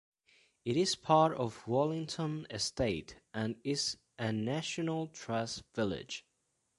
It is part of Wallington Estate, and is a National Trust village.